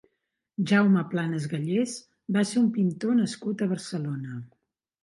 Jaume Planas Gallés va ser un pintor nascut a Barcelona.